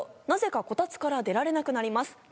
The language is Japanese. なぜかこたつから出られなくなります。